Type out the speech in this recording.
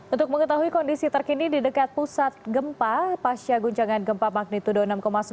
untuk mengetahui kondisi terkini di dekat pusat gempa pasca guncangan gempa magnitudo enam sembilan